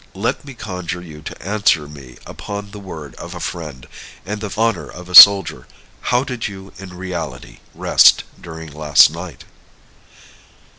Let me conjure you to answer me upon the word of a friend, and the honor of a soldier. How did you in reality rest during last night?"